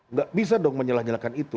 nggak bisa dong menyalah nyalahkan itu